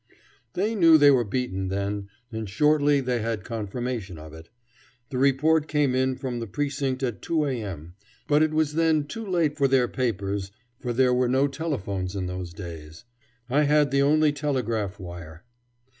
They knew they were beaten then, and shortly they had confirmation of it. The report came in from the precinct at 2 A.M., but it was then too late for their papers, for there were no telephones in those days. I had the only telegraph wire.